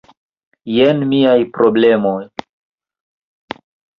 Jen miaj problemoj: